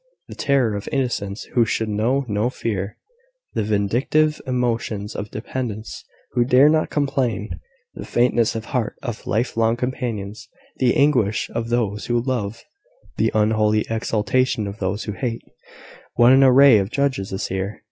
The terror of innocents who should know no fear the vindictive emotions of dependants who dare not complain the faintness of heart of life long companions the anguish of those who love the unholy exultation of those who hate, what an array of judges is here!